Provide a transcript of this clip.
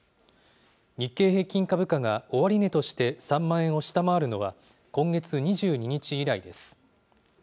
日経平均株価が終値として３万円を下回るのは、今月２２日以来です。